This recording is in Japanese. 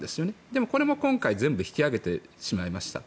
でもこれも今回全部引き揚げてしまいました。